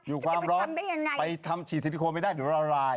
อยู่ความร้อนไปทำฉีดซิลิโคนไม่ได้เดี๋ยวละลาย